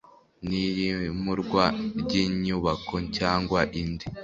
n iyimurwa ry inyubako cyangwa indi